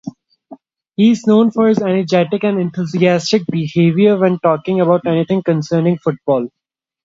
He's known for his energetic and enthusiastic behavior when talking about anything concerning football.